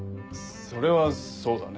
それはそうだね。